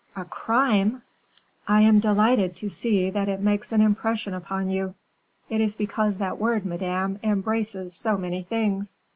"A crime!" "I am delighted to see that it makes an impression upon you." "It is because that word, madame, embraces so many things."